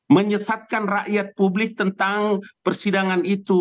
menyesatkan rakyat publik tentang persidangan itu